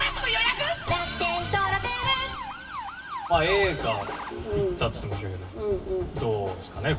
映画行ったっつってましたけどどうですかね？